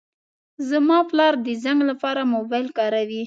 زما پلار د زنګ لپاره موبایل کاروي.